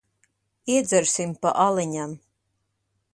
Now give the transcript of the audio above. Iedzersim pa aliņam.